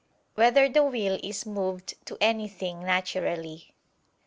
1] Whether the Will Is Moved to Anything Naturally?